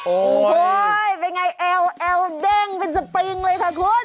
โอ้ยเป็นไงแอวแด้งเป็นสปริงเลยคะคุณ